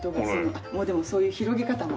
あっもうでもそういう広げ方も。